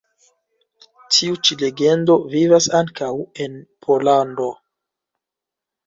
Tiu ĉi legendo vivas ankaŭ en Pollando.